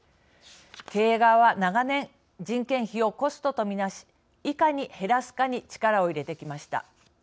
経営側は、長年人件費をコストとみなしいかに減らすかに力を入れてきました。